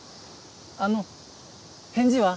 あの返事は？